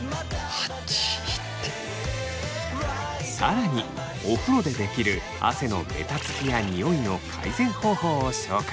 更にお風呂でできる汗のベタつきやニオイの改善方法を紹介。